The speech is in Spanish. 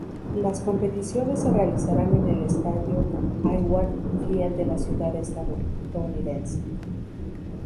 Las competiciones se realizarán en el estadio Hayward Field de la ciudad estadounidense.